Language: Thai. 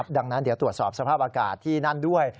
ดังนั้นเดี๋ยวตรวจสอบสภาพอากาศที่นั่นด้วย